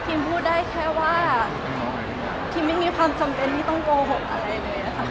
พี่พูดได้แค่ว่าที่ไม่มีความจำเป็นว่าต้องโกหกอะไรเลยนะครับ